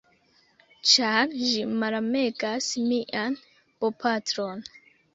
ĉar ĝi malamegas mian bopatron.